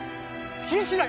気にしない！